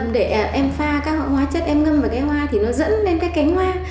để em pha các hoa chất em ngâm vào cái hoa thì nó dẫn lên cái cánh hoa